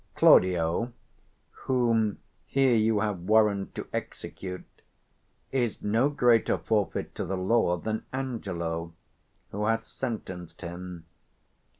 Claudio, whom here you have warrant to execute, is no greater forfeit to the 150 law than Angelo who hath sentenced him.